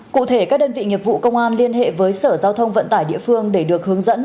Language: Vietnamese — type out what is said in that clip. cụ thể các đơn vị nghiệp vụ công an liên hệ với sở giao thông vận tải địa phương để được hướng dẫn